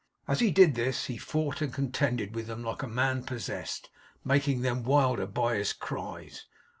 As he did this, he fought and contended with them like a man possessed, making them wilder by his cries.